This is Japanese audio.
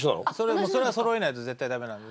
それはそろえないと絶対ダメなんで。